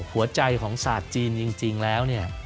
หัวใจของศาสตร์จีนจริงแล้วเนี่ย